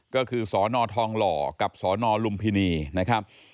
ก็คือสนทองหล่อกับสนลุมพินีนะครับ